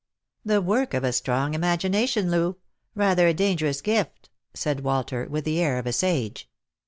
" The work of a strong imagination, Loo. Rather a danger ous gift," said Walter, with the air of a sage.